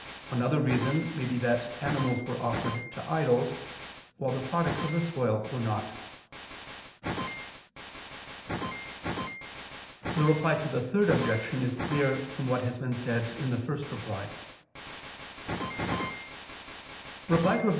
Another reason may be that animals were offered to idols, while the products of the soil were not. The Reply to the Third Objection is clear from what has been said (ad 1). Reply Obj.